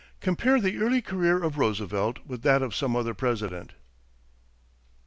Compare the early career of Roosevelt with that of some other President. 2.